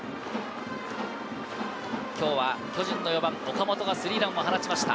今日は巨人の４番・岡本がスリーランを放ちました。